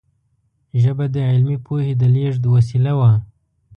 ژبه د علمي پوهې د لېږد وسیله وه.